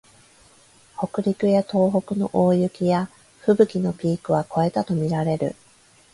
北陸や東北の大雪やふぶきのピークは越えたとみられる